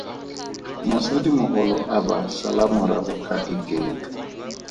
Mosadimogolo a ba sala morago ka iketlo.